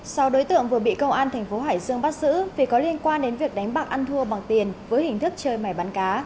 sau đối tượng vừa bị công an thành phố hải dương bắt giữ vì có liên quan đến việc đánh bạc ăn thua bằng tiền với hình thức chơi mẻ bắn cá